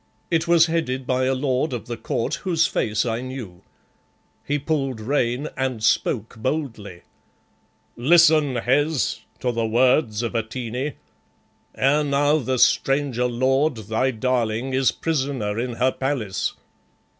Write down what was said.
It was headed by a lord of the court whose face I knew. He pulled rein and spoke boldly. "Listen, Hes, to the words of Atene. Ere now the stranger lord, thy darling, is prisoner in her palace.